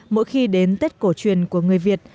mỗi khi đến tết cổ truyền của người việt